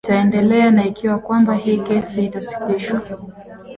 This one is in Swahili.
itaendelea na ikiwa kwamba hii kesi itasitishwa